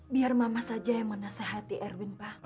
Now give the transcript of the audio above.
biar mama saja yang menasehati erwin pak